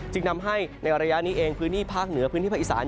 จึงทำให้ในระยะนี้เองพื้นที่ภาคเหนือพื้นที่ภาคอีสาน